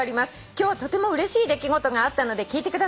「今日とてもうれしい出来事があったので聞いてください」